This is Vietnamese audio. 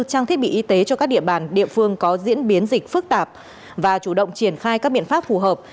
trang thiết bị y tế cho các địa bàn địa phương có diễn biến dịch phức tạp và chủ động triển khai các biện pháp phù hợp